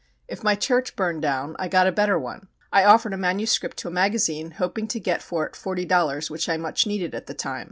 If my church burned down I got a better one. I offered a manuscript to a magazine, hoping to get for it forty dollars, which I much needed at the time.